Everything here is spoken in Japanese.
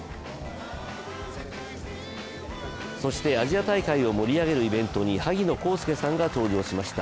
そしてアジア大会を盛り上げるイベントに萩野公介さんが登場しました。